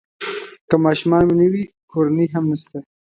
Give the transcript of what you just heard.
که ماشومان مو نه وي کورنۍ هم نشته.